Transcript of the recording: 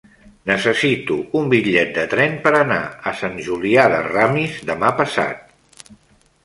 Necessito un bitllet de tren per anar a Sant Julià de Ramis demà passat.